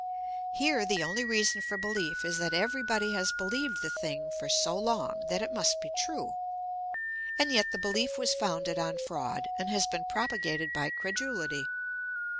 Here the only reason for behef is that everybody has beheved the thing for so long that it must be true. And yet the belief was founded on fraud, and has been propagated by creduhty.